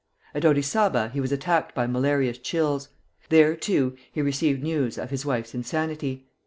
At Orizaba he was attacked by malarious chills. There, too, he received news of his wife's insanity.